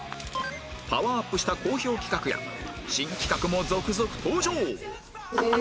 パワーアップした好評企画や新企画も続々登場！